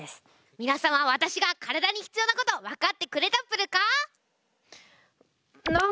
皆さんは私が体に必要なことを分かってくれたプルか？